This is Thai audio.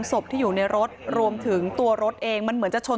ศพที่อยู่ในรถรวมถึงตัวรถเองมันเหมือนจะชน